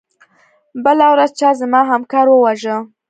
بله ورځ چا زما همکار وواژه.